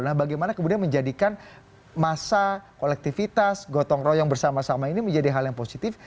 nah bagaimana kemudian menjadikan masa kolektivitas gotong royong bersama sama ini menjadi hal yang positif